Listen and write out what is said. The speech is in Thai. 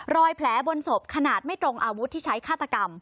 รอยแผลบนศพขนาดไม่ตรงอาวุธที่ใช้ฆาตกรรม